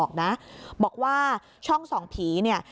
บอกนะบอกว่าช่องสองผีเนี่ย